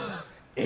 え？